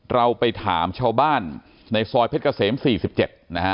เราไปถามชาวบ้านในซอยเพชรเกษม๔๗นะฮะ